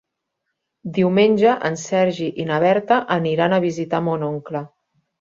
Diumenge en Sergi i na Berta aniran a visitar mon oncle.